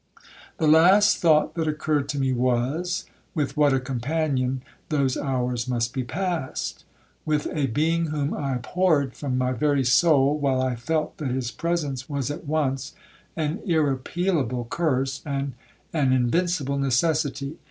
'The last thought that occurred to me was,—with what a companion those hours must be passed. With a being whom I abhorred from my very soul, while I felt that his presence was at once an irrepealable curse, and an invincible necessity.